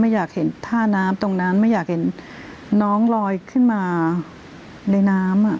อยากเห็นท่าน้ำตรงนั้นไม่อยากเห็นน้องลอยขึ้นมาในน้ำอ่ะ